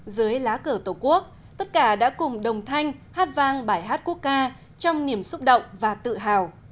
dưới lá cờ tổ quốc tất cả đã cùng đồng thanh hát vang bài hát quốc ca trong niềm xúc động và tự hào